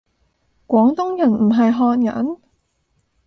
廣東人唔係漢人？